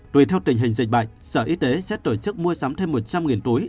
tùy theo tình hình dịch bệnh sở y tế sẽ tổ chức mua sắm thêm một trăm linh túi